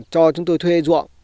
cho chúng tôi thuê ruộng